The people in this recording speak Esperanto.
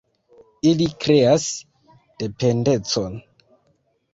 Ili kreas dependecon.